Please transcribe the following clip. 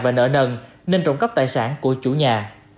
và nợ nần nên trồng cấp tài sản của chú nhà